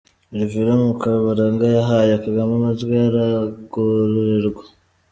–Alvera Mukabaranga yahaye Kagame amajwi aragororerwa.